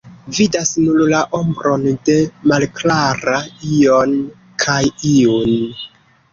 Vidas nur la ombron de malklara ion kaj iun.